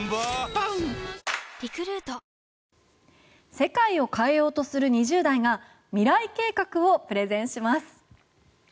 世界を変えようとする２０代が未来計画をプレゼンします。